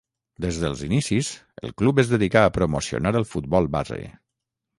Des dels inicis el club es dedicà a promocionar el futbol base.